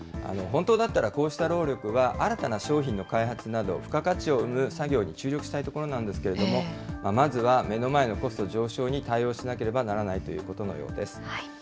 本当だったら、こうした労力は新たな商品の開発など、付加価値を生む作業に注力したいところなんですけれども、まずは目の前のコスト上昇に対応しなければならないということのようです。